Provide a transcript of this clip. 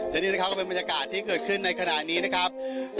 และนี่นะครับก็เป็นบรรยากาศที่เกิดขึ้นในขณะนี้นะครับ